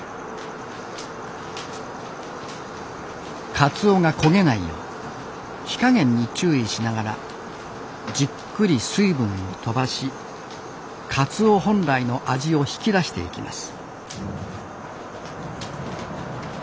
かつおが焦げないよう火加減に注意しながらじっくり水分をとばしカツオ本来の味を引き出していきます。